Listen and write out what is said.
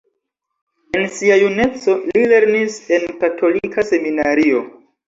En sia juneco, li lernis en katolika seminario.